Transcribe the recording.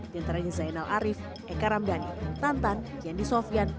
diantaranya zainal arief eka ramdhani tantan yandi sofian